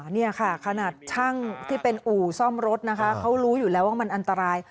นี่ค่ะขนาดช่างที่เป็นอู่ซ่อมรถนะคะเขารู้อยู่แล้วว่ามันอันตราย